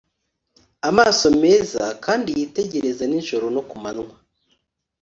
amaso meza kandi yitegereza nijoro no ku manywa,